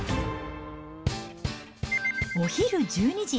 お昼１２時。